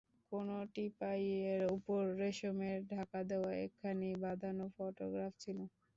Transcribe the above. কোণে টিপাইয়ের উপর রেশমের-ঢাকা-দেওয়া একখানি বাঁধানো ফোটোগ্রাফ ছিল।